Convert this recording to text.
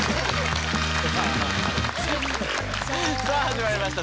さあ始まりました